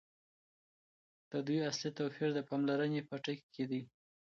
د دوی اصلي توپیر د پاملرني په ټکي کي دی.